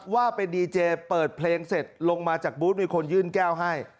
ว่าเป็นดีเจเปิดเพลงเสร็จลงมาจากบูธมีคนยื่นแก้วให้